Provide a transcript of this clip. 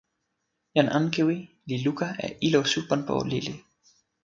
jan Ankewi li luka e ilo Supanpo lili.